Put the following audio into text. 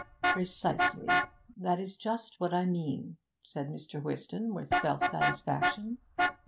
'Precisely. That is just what I mean,' said Mr. Whiston with self satisfaction.